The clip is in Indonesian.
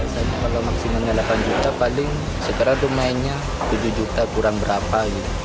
saya pikir kalau maksimalnya delapan juta paling sekarang rumahnya tujuh juta kurang berapa